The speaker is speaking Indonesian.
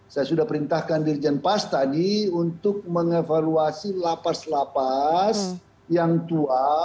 saya sudah perintahkan dirjen pas tadi untuk mengevaluasi lapas lapas yang tua